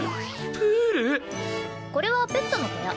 これはペットの小屋。